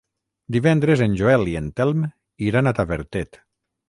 Divendres en Joel i en Telm iran a Tavertet.